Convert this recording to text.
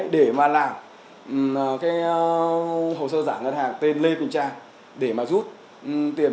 để mà làm cái hồ sơ giả ngân hàng tên lê quỳnh trang để mà rút tiền